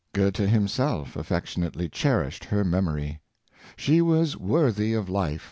Goethe himself affectionately cherished her memory. " She was wor thy of life!